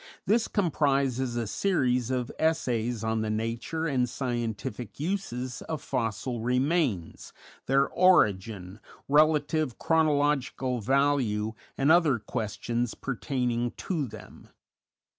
This comprises a series of essays on the nature and scientific uses of fossil remains, their origin, relative chronological value and other questions pertaining to them.